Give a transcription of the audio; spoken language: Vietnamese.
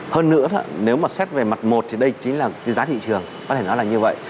hơn nữa nếu mà xét về mặt một thì đây chính là cái giá thị trường có thể nói là như vậy